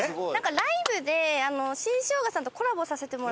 ライブで新生姜さんとコラボさせてもらって。